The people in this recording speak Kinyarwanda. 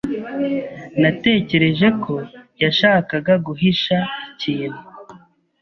Natekereje ko yashakaga guhisha ikintu.